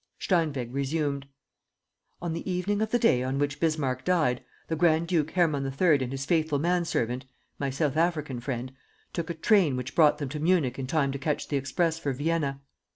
Steinweg resumed: "On the evening of the day on which Bismarck died, the Grand duke Hermann III. and his faithful manservant my South African friend took a train which brought them to Munich in time to catch the express for Vienna.